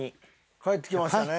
帰ってきましたね。